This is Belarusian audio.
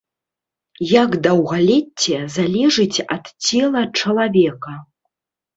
Як даўгалецце залежыць ад цела чалавека?